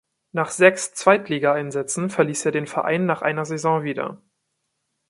Nach sechs Zweitligaeinsätzen verließ er den Verein nach einer Saison wieder.